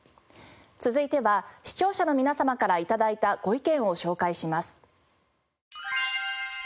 続いては視聴者の皆様から頂いたご意見を紹介します。